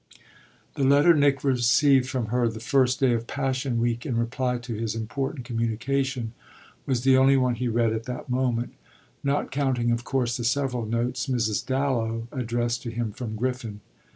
The letter Nick received from her the first day of Passion Week in reply to his important communication was the only one he read at that moment; not counting of course the several notes Mrs. Dallow addressed to him from Griffin.